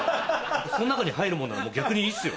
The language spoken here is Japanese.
その中に入るものは逆にいいっすよ。